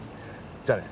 じゃあね。